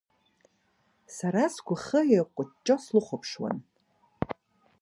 Сара сгәахы еиҟәыҷҷо слыхәаԥшуан.